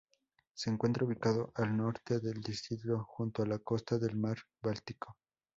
Se encuentra ubicado al norte del distrito, junto a la costa del mar Báltico.